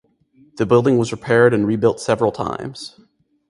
The building was repaired and rebuilt several times.